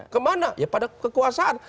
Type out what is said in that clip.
kemana ya pada kekuasaan